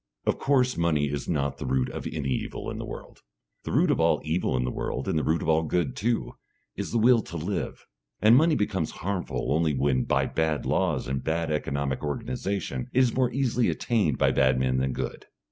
Of course, money is not the root of any evil in the world; the root of all evil in the world, and the root of all good too, is the Will to Live, and money becomes harmful only when by bad laws and bad economic organisation it is more easily attained by bad men than good.